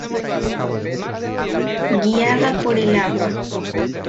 Guiada por el agua".